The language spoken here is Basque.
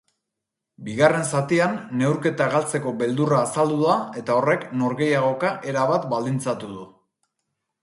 Bigarren zatian neurketa galtzeko beldurra azaldu da eta horrek norgehiagoka erabat baldintzatu du.